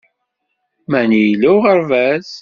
Mani yella uɣerbaz